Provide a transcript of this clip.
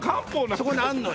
そこにあるのよ。